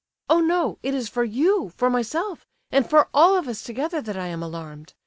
"Oh, no—it is for you, for myself, and for all of us together, that I am alarmed.